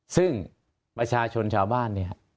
ซึ่งประชาชนชาวบ้านเนี่ย